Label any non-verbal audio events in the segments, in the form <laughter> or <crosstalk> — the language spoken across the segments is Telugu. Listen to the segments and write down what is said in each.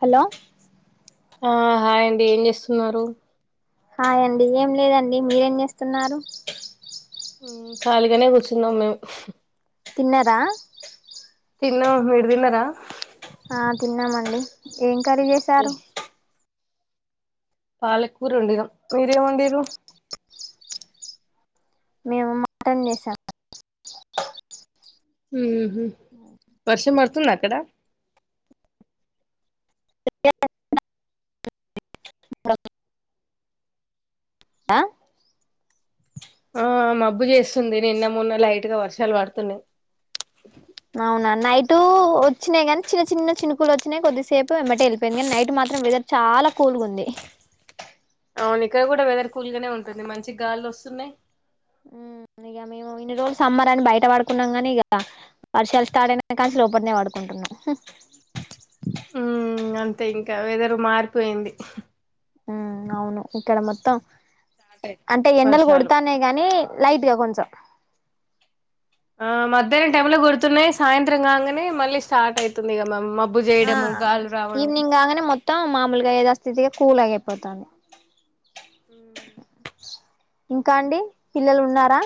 హలో ఆ హాయ్ అండి ఏం చేస్తున్నారు హాయండి ఏం లేదండి మీరేం చేస్తున్నారు ఖాళీగానే కూర్చున్నాం మేము తిన్నారా తన్నము మీరు తిన్నారా ఆ తిన్నామండి, ఏం కర్రీ చేసారు? పాలకూరు వండినా, మీరేం వండిన్రు? మేము మటన్ చేసాం. ఉహు వర్షం పడుతుందా అక్కడ? ఆ ఆ మబ్బు చేస్తుంది, నిన్న మొన్న లైట్ గా వర్షాలు పడుతున్నయి. అవునా నైటు వచ్చినాయి గని చిన్న చిన్న చినుకులు వచ్చినయి కొద్దిసేప్ కు ఎమ్మటె వెళ్ళిపోయింది గని, నైట్ మాత్రం వెదర్ చాలా కూల్గుంది. అవునిక్కడ గుడ వెదర్ కూల్ గానే ఉంటుంది మంచిగ గాలులు వస్తున్నాయి. ఉమ్ ఇగ మేము ఇన్ని రోజులు సమ్మర్ అని బయట పడుకున్నం గని ఇగ, వర్షాలు స్టార్ట్ అయినా కాంచి లోపట్నే పడుకుంటున్నాం. ఉమ్ అంతే ఇంకా వెదరు మారిపోయింది. ఉమ్ అవును ఇక్కడ మొత్తం, స్టార్ట్ అంటే ఎండలు వర్షాలు కొడతాన్నాయి గని లైట్గా కొంచం. ఆ మధ్యాహ్నం టైమ్ లో కొడుతున్నయి, సాయంత్రం కాంగానే మళ్ళీ స్టార్ట్ అవుతుంది మమ్ మ బ్బు చేయడము గాలీ రావడం. ట మామూలుగా ఏథాస్థితిగా కూలయ్యే పోతాంది. ఉమ్ ఇంకా అండి, పిల్లలు ఉన్నారా?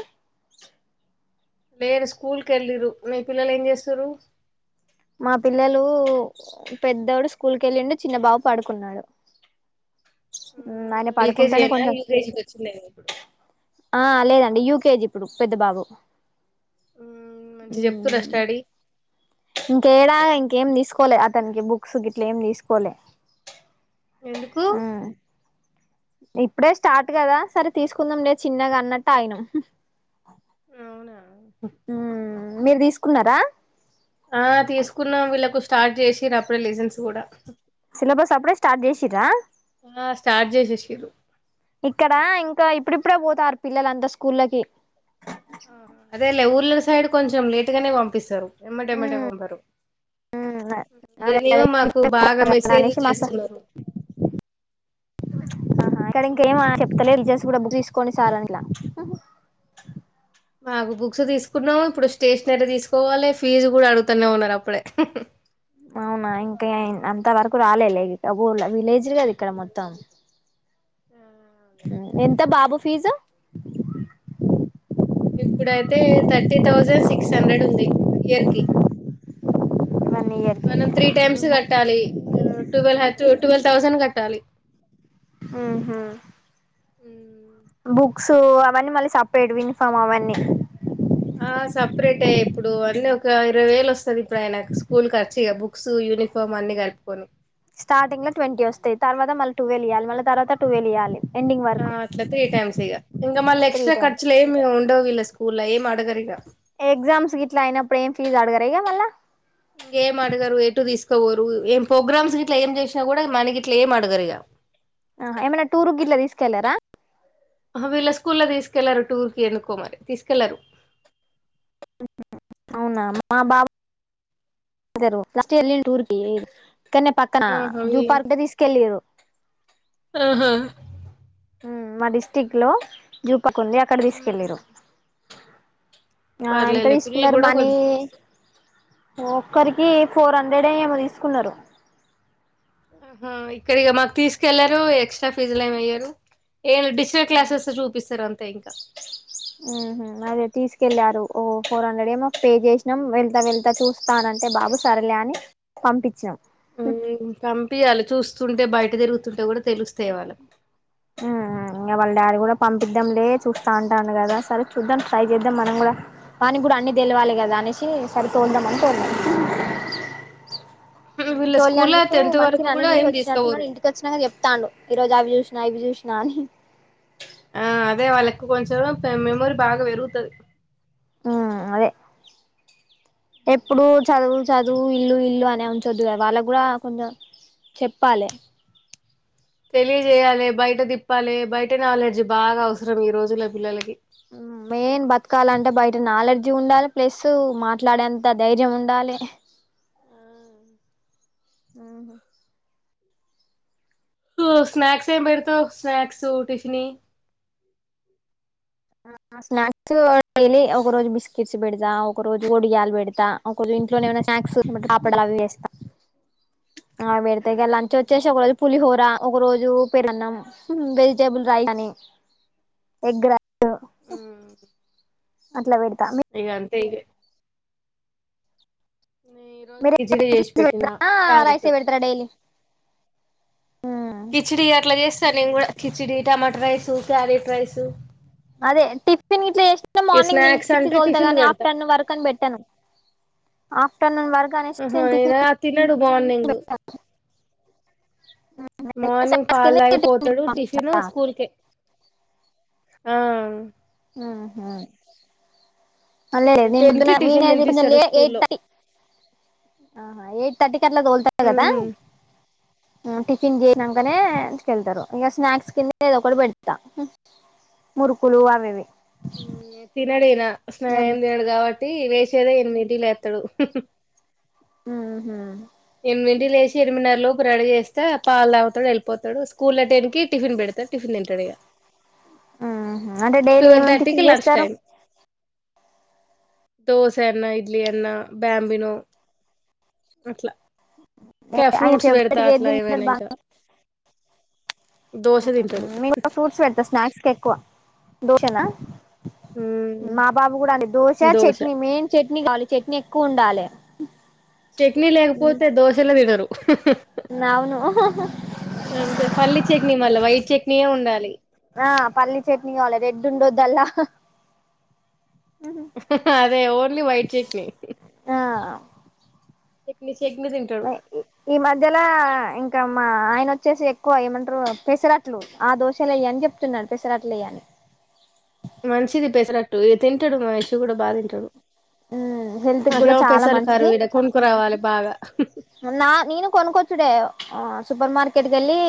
లేరు స్కూల్ కెళ్లిర్రు, మీ పిల్లలు ఏం చేస్తుర్రు? మా పిల్లలు పెద్దోడు స్కూల్ కెళ్ళిండు, చిన్న బాబు పడుకున్నాడు. ఉమ్ ఆయన పడుకుంటెనే ఎల్కేజీనా కొంచం యూకేజీకి వచ్చిందేమో ఇప్పుడు ఆ లేదం డి యూ కేజీ ఇప్పుడు పెద్ద బాబు. ఉమ్ మంచిగ చెప్తుర్రా స్టడీ? ఇంకేడా ఇంకేం తీసుకోలే అతనికి బుక్స్ గిట్ల ఏం తీసుకోలే. ఎందుకు? ఇప్పుడే స్టార్ట్ కదా, సరే తీసుకుందాం లే చిన్నగా అన్నట్టు ఆగినం. అవునా ఉమ్ మీరు తీసుకున్నరా? ఆ తీసుకున్నాం వీళ్ళలకు స్టార్ట్ చేసిర్రు అప్పుడే లెసన్స్ గుడా సిలబస్ అప్పుడే స్టార్ట్ చేసిర్రా? ఆ స్టార్ట్ చేసేసిరు ఇక్కడ ఇంకా ఇప్పుడిప్పుడే పోతారు పిల్లలంతా స్కూళ్ళకి. ఆ అదేలే ఊర్ళ సైడ్ కొంచెం లేటుగానే పంపిస్తరు, ఎమ్మటేమ్మటే పంపరు. ఆ నా ఈడనేమో మాకు బాగా <unintelligible> మెసేజ్ అనేేషి మాస చేస్తున్నారు ఆహ ఇక్కడ ఇంకేం ఆ హ్మ్. చెప్తలేర్ జస్ బు రబ్ తీసుకొని సారంట్ల మాకు బుక్స్ తీసుకున్నాము ఇప్పుడు స్టేషనరీ తీసుకోవాలె, ఫీజు గుడ అడుగుతనే ఉన్నరు అప్పుడే. అవునా ఇంకే అంత వరకు రాలేలే ఇంకా ఊర్ళ, విలేజ్లు కద ఇక్కడ మొత్తం. ఆ అదే ఎంత బాబు ఫీజు? ఇప్పుడైతే థర్టీ థౌజండ్ సిక్స్ హండ్రెడ్ ఉంది ఇయర్ కి. వన్ ఇయర్ కి మనం త్రీ టైమ్స్ కట్ టాలి ఆ ట్యూవెల్ హాటు ట్వెల్వ్ థౌసండ్ కట్టాలి. ఉహూ మ్మ్. బుక్స్ అవన్నీ మళ్ళీ సపరేట్ యూనిఫామ్ అవన్నీ ఆ సపరేట్ ఇప్పుడు అన్నీ ఒక ఇరవై వేలు వస్తుంది ఇప్పుడు ఆయన స్కూల్ ఖర్చు బుక్స్ యూనిఫామ్ అన్ని కలుపుకొని స్టార్టింగ్ లో ట్వంటీ వస్తాయి తర్వాత మళ్ళ టూవెల్వ్ ఇయాలి తర్వాత టూవెల్ ఇవాలి అట్లా త్రీ టైమ్స్ ఇక ఇంకా మళ్ళీ త్రీ ఎక్స్ట్రా టైమ్స్ ఖర్చులు ఏమి ఉండవు వీలకి స్కూల్ల ఏం అడగరు ఎగ్జామ్స్ గిట్లా అయినప్పుడు ఏం ఫీజ్ అడగరా ఇగ మళ్ళా ఇంకేం అడగరు ఏటు తీసుకోవరు ఏం ప్రోగ్రామ్స్ ఇట్లా ఏం చేసినా కూడా మనీ ఇట్లా ఏం అడగారు ఇక ఆ ఏమన్నా టూర్ కి ఇట్లా తీసుకెళ్ళరా ఆహా వీళ్ళ స్కూల్ల్లో తీసుకెళ్లారు టూర్ కి ఎందుకో మరి తీసుకెళ్లరు అవునా మా బాబు అ స్ట్ ఎ టూర్కి కన్న పక్కన ఆహా జూ ఈ పార్క్ తీసుకెళ్ళారు ఆహా మా డిస్టిక్ లో జూ పార్క్ ఉంది అక్కడకు హ్మ్ తీసుకెల్లిర్రు ఆ ఎంత పర్లేలే పిల్లలు తీసుకున్నారు కూడా మనీ కొంచెం చూస్తారు ఒక్కరికి ఫోర్ హండ్రెడ్ అ ఏమో తీసుకున్నారు హ ఇక్కడ ఇగ మాకు తీసుకెళ్లారు ఎక్స్ట్రా ఫీజులు ఏమయ్యారు ఏం లే డిజిటల్ క్లాసెస్ చూపిస్తారు అంతే ఇంకా అదే తీసుకెళ్ళారు ఓ ఫోర్ హండ్రెడ్ ఏ మాకు పే చేసినాం వెళ్తా వెళ్తా చూస్తా అంటే బాబు సరేలే అని పంపించినాం పంపియాలె చూస్తుంటే బయట తిరుగుతుంటే కూడా తెలుస్తయి వాళ్ళకు వాళ్ళ డాడి కూడా పంపిద్దాం లే చూస్తా అంటాడు కదా సరే చూద్దాం ట్రై చేద్దాం మనం కూడా వానికి కూడా అన్ని తెలివాలే కదా హ్మ్. అనేసి సరే తోలుదాం అని తోలినం వీళ్ళ స్కూల్లో తోలిందుకు టెన్త్ వరకు మంచిగానే అన్ని కూడా చూసి ఏం తీసుకపోరు వచ్చినట్టునడు ఇంటికి వచ్చినక చెప్ తాండు ఈ రోజు అవి చూసినా ఇవి చూసినా అని ఆ అదే వాళ్ళకు కొంచెం మెమోరీ బాగా పెరుగుతది ఆ అదే ఎప్పుడు చదువు చదువు ఇల్లు ఇల్లు అనే ఉంచొద్దు కద వాళ్ళకి కూడా కొంచెం చెప్పాలే తెలియజేయాలి బయట తిప్పాలి బయట నాలెడ్జీ బాగా అవసరం ఈ రోజుల పిల్లలకి ఆ మెయిన్ బతకాల అంటే బయట నాలెర్జీ ఉండాలి ప్లస్ మాట్లాడేంత ధైర్యం ఉండాలి ఆ అ స్నాక్స్ ఏం పెడతావు స్నాక్స్ టిఫిని స్నాక్స్ డైలీ ఒక రోజు బిస్కెట్స్ పెడతా ఒక రోజు ఒడియాలు పెడతా ఒక రోజు ఇంట్లోనే ఉన్న ఏమైన స్నాక్స్ అప్పడాలు అవి చేస్తా ఆ వేడితేగ హుహు. లంచచ్చేసి ఒకరోజు పులిహోరా ఒకరోజు పెరుగన్నం వెజిటేబుల్స్ రైస్ అని ఎగ్ హ్మ్. అట్లా పెడతా ఏ ఈ రోజు మీరే కిచిడి చేసి పెట్టినా ఆ క్యారెట్ రైసే పెడతారా డైలీ కిచిడి అట్లా చేస్తా నేను కూడా khichdi tomato rice carrot rice అదే టిఫిన్ గిట్ల చేశిత్తే మార్నింగ్ స్నాక్స్ అంటే టిఫిన్లు తినిపిచ్చితోలుతగని పెడతా ఆఫ్టర్నూన్ వరకు అని పెట్టాను ఆఫ్టర్నూన్ వర ఆహా ఏడ తినడు మార్నింగు మార్నింగ్ పాలు తాగి పోతాడు టిఫిన్ స్కూల్కే ఆ ఆహా మల్లరే నేను టెన్ పొద్దున కి టిఫిన్ వీనైతే కొంచం లే తినిపిస్తారు ఎయిట్ స్కూల్లో థర్టీ ఆహా ఎయిట్ థర్టీకి అట్ల తోల్తారు కదా ఉమ్ ఆ టిఫిన్ అదే జేసినంకనే కెళ్తారు ఇగ స్నాక్స్ కింద ఏదో ఒకటి పెడతా మురుకులు అవి ఇవి ఉమ్ తినడినా ఏం తినడు కాబట్టి వేస్ట్ చేదా ఎనిమిదిటి లేత్తడు ఉహు ఎనిమింటి లేసి ఎనిమిదిన్నర లోపు రెడి చేస్త పాలు తాగుతాడు వెళ్ళిపోతాడు స్కూల్ ల టెన్కి టిఫిన్ బెడ్ టిఫిన్ తింటడిగా అంటే డైలీ ట్వెల్వ్ ఏమేమి థర్టీకి టిఫిన్ లంచ్ చేస్తారు టైమ్ దోశ అన్నా ఇడ్లీ అన్నా బ్యాంబినో అట్లా ఆయన ఫ్రూట్స్ వేడుత ఫేవరెట్ గా ఏది అట్లా ఏమైనా తింటాడు బాగా ఇంకా దోశ తింటడు మేము కూడా ఫ్రూట్స్ పెడతా స్నాక్స్ ఎక్కువ దోశనా మ్మ్ మా బాబు కూడా అండి దోశ చట్నీ మెయిన్ చట్ చట్నీ కావాలి చట్నీ ఎక్కువ ఉండాలే చట్నీ లేకపోతే దోశలే తినరు అవును అంతే పల్లి చట్నీ మళ్ళ వైట్ చట్నీయే ఉండాలి ఆ పల్లీ చట్నీ కాలే రెడ్ ఉండద్దు అల్ల అదే ఓన్లీ వైట్ చట్నీ ఆమ్ చట్నీ చే ఈ మధ్యలా ఇం కా మా ఆయన వచ్చేసి ఎక్కువ ఏమంటారు పెసరట్లు ఆ దోషాలేయ్ అని చెప్తున్నాడు పెసరట్లేయి అని మంచిది పెసరట్టు ఎ తింటాడు మా ఐషూ కూడా బా తింటడు మ్మ్ హెల్త్ కూడా చాలా మంచిది రావాలి బాగా నా నేను కొనుక్కొచ్చుడే ఆ సూపర్ మార్కెట్ కేల్లి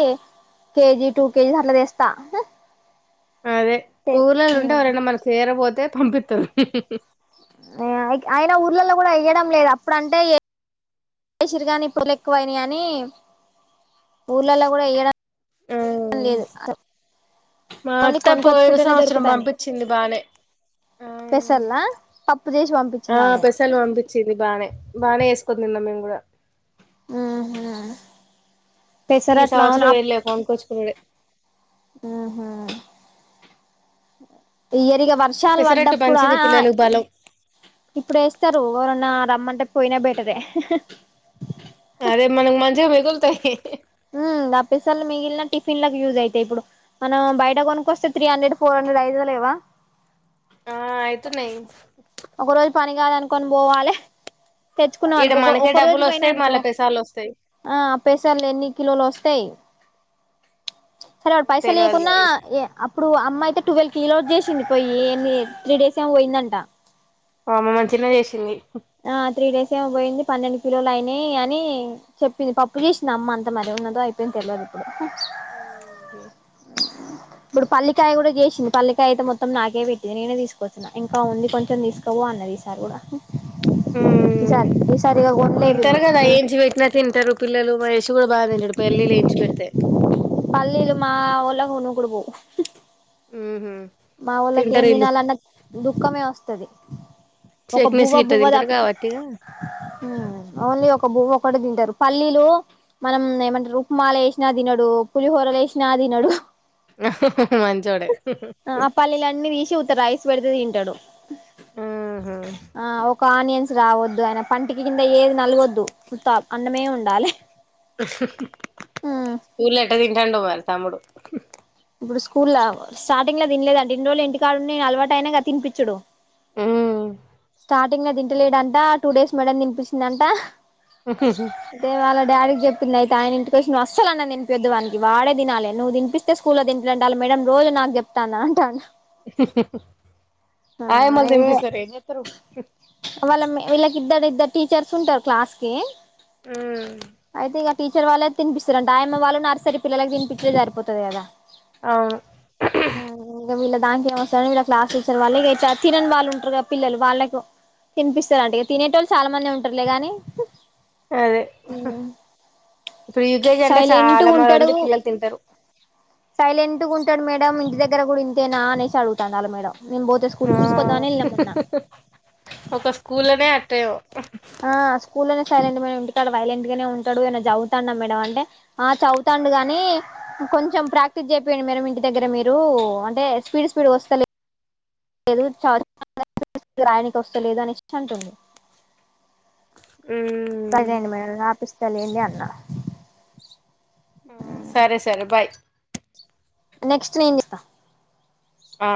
కేజీ టూ కేజిస్ అట్లతేస్తా అదే ఊర్లల ఉంటే ఎవరైనా మనం చేరబోతే పంపితరు అయన ఊర్లల కూడా ఇయ్యడం లేదు అప్పుడు అంటే ఇచ్చిరుగానిప్పుడు ఎక్కువైనా అని ఊర్లల్ల కూడా ఏయడ ఆ లేదు మా ఓన్లీ అత్త పోయినా కొనుక్కొచ్చుకుంటేనే సంవత్సరం దొరుకుతాన్నాయి పంపించింది బానే పెసర్లా పప్పు చేసి ఆ పంపించింది ఆమె పెసలు పంపి చ్చింది బానే బానే ఎసుకోని తిన్నం మేము కూడా ఉ హ ఈ పెసరట్లు అవును సంవత్సరం అప్ ఏం లే కొనుక్కొచ్చుకునుడే ఈ ఇయర్ ఇగ వర్షాలు పెసరట్టు పడ్డప్పుడు ఆ మంచిది ఆ పిల్లలకు బలం ఇప్పుడు ఎస్తారు ఓర న్న రమ్మంటే పోయినా బెటరే అదే మనకు మంచిగా మిగులుతయి అప్పేసలు మిగిలిన టిఫిన్ యజ్ అయితాయి ఇప్పుడు మనం బయట కొనుకోస్తే త్రీ హండ్రెడ్ ఫోర్ హండ్రెడ్ అయిత లేవా ఆ అయితున్నయి గాదనుకొనిపోవలే తెచ్చుకున్నాం ఈడ అనుకో మనకే ఒక రోజు డబ్బులు పోయిన వస్తాయి అనుకో మళ్ళా పెసాలు వస్తాయి ఆ పేసర్లు ఎన్ని స్తాయి సరే అ పైసల్ తెలవదులే ఇయ్యకున్నా అయి అప్పుడు అమ్మాయితే ట్వెల్వ్ కోలో చేసింది పోయి ఏమి త్రీ డేస్ ఏమో పోయిందంట అమ్మో మంచినే చేసింది ఆ త్రీ డేస్ ఏమో పోయింది పన్నెండు కిలోలు అయినాయి అని చెప్పింది పప్పు చేసింది అమ్మ అంత మరి ఉన్నదో అయిపోయింది తెల్వదు హు ఇంక ఇప్పుడు పల్లికాయ కూడా చేసింది పల్లికాయ అయితే మొత్తం నాకే పెట్టింది నేనే తీసుకోచ్చిన ఇంకా ఉంది కొంచెం తీసుకవో అన్నది ఈ సారి కూడా ఉ ఈసారి ఈసారి ఇగ కొనలే తింటారు వీళ్ళు కదా ఏంచి పెట్నా తింటారు పిల్లలు మా యేషు కూడా బాగా తింటాడు పల్లీలు ఏయించి పెడితే పల్లీలు మా ఒళ్ళకు నూకుడు పోవ్ ఉహు మా ఓళ్ళకి ఏం తింటారు వీళ్ళు తినాలన్న దుఃఖమే వస్తది ఒక చట్నీస్ బువ్వ గిట్ట బువ్వ తింటారు దాప్ కాబట్టి ఇగ ఓన్లీ ఒక బువ్వ ఒకటి తింటారు పల్లీలు మనం ఏమంటరుక్మాల ఏసినా తినడు పులిహోరలు ఏసినా తినడు మంచోడే ఆ పల్లెలన్నీ తీసి ఉత్త రైస్ పెడితే తింటాడు ఉహు ఆ ఒక ఆనియన్స్ రావద్దు ఆయన పంటికి కింద ఏది నలగోద్దు ఉత్తా అన్నమే ఉండాలి స్కూల్లా ఎట్ట తింటాండో మరి తమ్ముడు ఇప్పుడు స్కూల్ స్టార్టింగ్లా తినలేదండి ఇన్ని రోజులు ఇంటికాడుంటే నేన్ అలవాటు అయినగా తనిపించుడు ఊ స్టార్టింగ్ లా తింటలేడంటా టూ డేస్ మేడం తినిపించిందటా ఉహు హు డాడీ కీ చెప్పింది అయితే నువ్ అసల్ అన్నం తిపియొద్దు వాడికి వాడే తినాలే నువ్ తినిపిస్తే స్కూల్ లా తింటాడట అల్లా మే మేడం రోజు నాకు చెప్తన్న అంటాండు అయ్యమ్మలు తినిపిస్తారు ఏం చెత్తారు వాళ్ మే వీళ్ళకి ఇద్దరు ఇద్దరు టీచర్స్ ఉంటారు క్లాస్ కి ఉ అయితే ఇక టీచర్ వాళ్ళే తినిపిస్తుంరటా ఆయమ్మ వాళ్ళు నర్సరీపిల్లలకి తిన్పిచ్చుడే సరిపోతుంది కదా అవును ఆ వీళ్ళ దానికెమోస్తారు వారు వీళ్ళ క్లాస్ టీచర్ వాళ్ళు తినని వాళ్ళుంటారు కా పిల్లలు వాళ్ళకి తినిపిస్తారు అంట ఇగ తినేటోళ్ళు చాలా మందే ఉంటారులే గానీ అదే ఇప్పుడు యుగేజ్ అంటే చాలా మంది పిల్లలు తింటారు సైలెంట్గా ఉంటాడు మేడం ఇంటి దగ్గర కూడా ఇంతేనా అనేసి అడుగుతంది అల్లా మేడం నేన్ పోతే ఆ స్కూల్కి తీసుకొద్దాం అనేల్లిన మొన్న ఒక స్కూల్లనే అట్టేమో ఆ స్కూల్లనే సైలెంట్ గానే ఉంటాడు, వైలెంట్ గానే ఉంటాడు ఏమన్నా జదువుతాండ మేడం, అంటే ఆ చదుతాండు గాని, కొంచెం ప్రాక్టీస్ జేపిపోయండి మేడమ్ ఇంటి దగ్గర మీరు అంటే స్పీడ్, స్పీడ్ గా ఓస్తలే లేదు, చ <unintelligible> రాయనికి ఓస్తలేదు అనేసి అంటుంది. సరే ఉమ్ లెండి మేడమ్, రాపిస్తా లెండి అన్న. ఉమ్ సరే, సరే బాయ్. నెక్స్ట్ నేన్ జెత్తా. ఆ